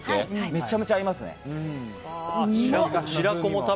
めちゃくちゃ合いますね。